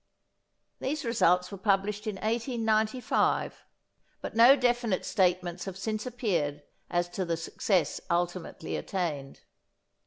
These results were published in 1895, but no definite statements have since appeared as to the success ultimately attained.